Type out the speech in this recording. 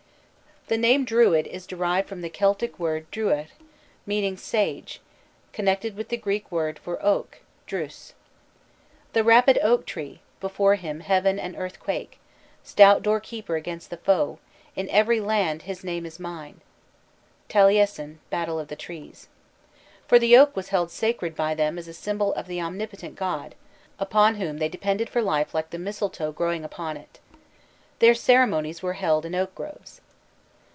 The name "Druid" is derived from the Celtic word "druidh," meaning "sage," connected with the Greek word for oak, "drus," "The rapid oak tree Before him heaven and earth quake: Stout door keeper against the foe. In every land his name is mine." TALIESIN: Battle of the Trees. for the oak was held sacred by them as a symbol of the omnipotent god, upon whom they depended for life like the mistletoe growing upon it. Their ceremonies were held in oak groves.